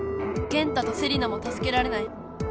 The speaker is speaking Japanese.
ゲンタとセリナもたすけられない。